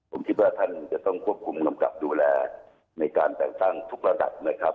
ผมคิดว่าท่านจะต้องควบคุมกำกับดูแลในการแต่งตั้งทุกระดับนะครับ